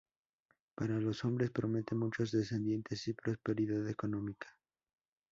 Para los hombres, promete muchos descendientes y prosperidad económica.